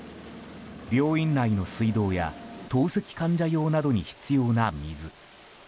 病院内の水道や透析患者用などに必要な水。